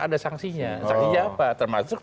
ada sanksinya sanksinya apa termasuk